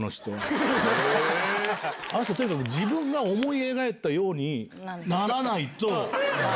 あの人自分が思い描いたようにならないと。